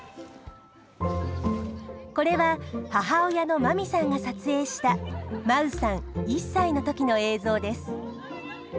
これは母親の真実さんが撮影した真宇さん１歳の時の映像です。